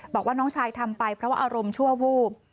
บอกว่าน้องชายทำไปเพราะว่าอารมณ์ชั่ววูบ